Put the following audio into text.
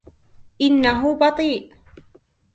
إنه بطيء.